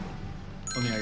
お土産。